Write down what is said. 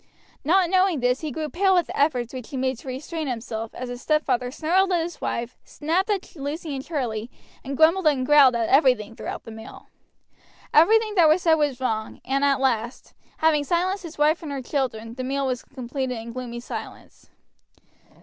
Not knowing this he grew pale with the efforts which he made to restrain himself as his stepfather snarled at his wife, snapped at Lucy and Charlie, and grumbled and growled at everything throughout the meal. Everything that was said was wrong, and at last, having silenced his wife and her children, the meal was completed in gloomy silence.